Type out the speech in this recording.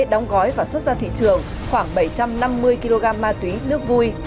đóng gói và xuất ra thị trường khoảng bảy trăm năm mươi kg ma túy nước vui